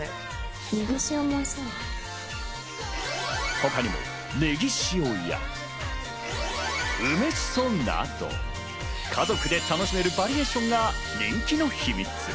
他にもねぎ塩や梅しそなど、家族で楽しめるバリエーションが人気の秘密。